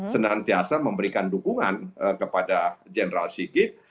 senantiasa memberikan dukungan kepada general sigit